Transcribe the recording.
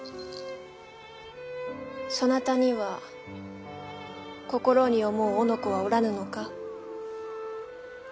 そなたには心に思う男子はおらぬのか？